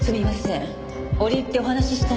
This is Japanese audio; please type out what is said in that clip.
折り入ってお話ししたい事が。